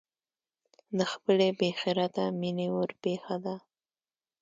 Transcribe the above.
د خپلې بې خرته مینې ورپېښه ده.